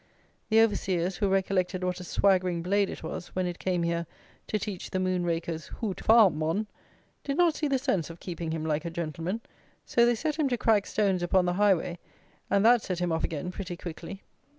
The overseers, who recollected what a swaggering blade it was, when it came here to teach the moon rakers "hoo to farm, mon," did not see the sense of keeping him like a gentleman; so they set him to crack stones upon the highway; and that set him off again, pretty quickly.